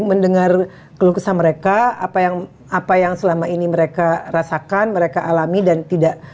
mendengar keluh kesah mereka apa yang apa yang selama ini mereka rasakan mereka alami dan tidak